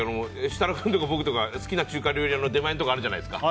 設楽君とか僕とかが好きな中華料理屋の出前のところあるじゃないですか。